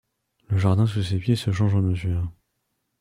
Le jardin sous ses pieds se change en ossuaire ;